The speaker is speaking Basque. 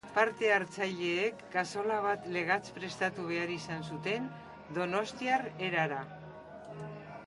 Parte-hartzaileek kazola bat legatz prestatu behar izan zuten, donostiar erara.